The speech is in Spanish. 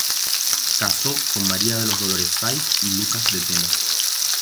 Casó con María de los Dolores Saiz y Luca de Tena.